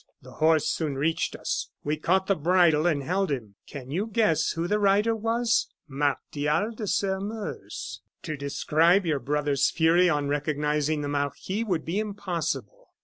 The horse soon reached us; we caught the bridle and held him. Can you guess who the rider was? Martial de Sairmeuse. "To describe your brother's fury on recognizing the marquis would be impossible.